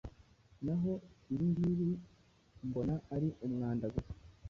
naho ibi ngibi mbona ari umwanda gusa